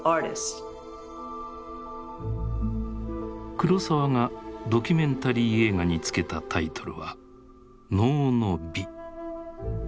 黒澤がドキュメンタリー映画に付けたタイトルは「能の美」。